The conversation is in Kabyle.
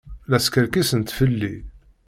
La skerkisent fell-i.